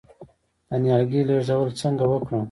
د نیالګي لیږدول څنګه وکړم؟